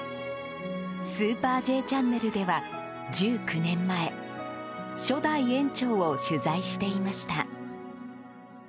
「スーパーＪチャンネル」では１９年前、初代園長を取材していました。